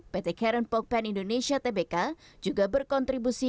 pt karen pogpen indonesia tbk juga berkontribusi